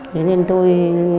thế nên tôi